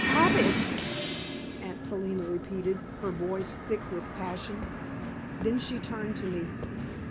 "Habit!" Aunt Selina repeated, her voice thick with passion. Then she turned to me.